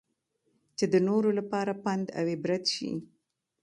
چې د نورو لپاره پند اوعبرت شي.